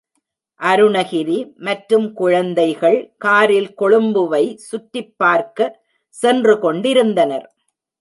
அருணகிரி மற்றும் குழந்தைகள் காரில் கொழும்புவை சுற்றிப் பார்க்க சென்று கொண்டிருந்தனர்.